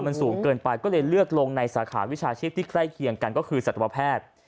มันสูงเกินไปก็เลยเลือกลงในสาขาวิชาชีพที่ใกล้เคียงกันก็คือสัตวแพทย์